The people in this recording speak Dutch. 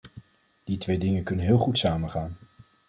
Die twee dingen kunnen heel goed samengaan.